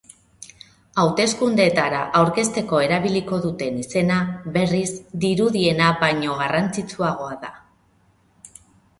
Hauteskundeetara aurkezteko erabiliko duten izena, berriz, dirudiena baino garrantzitsuagoa da.